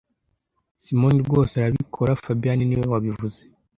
Simoni rwose arabikora fabien niwe wabivuze